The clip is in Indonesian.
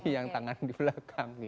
yang tangan di belakang